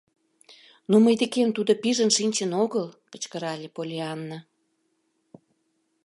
— Но мый декем тудо пижын шинчын огыл! — кычкырале Поллианна.